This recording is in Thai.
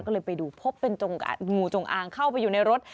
ก็เลยไปดูพบเป็นงูจงอางเข้าไปอยู่ในรถ